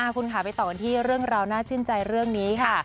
คุณค่ะไปต่อกันที่เรื่องราวน่าชื่นใจเรื่องนี้ค่ะ